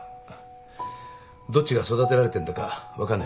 どっちが育てられてんだか分かんねえな。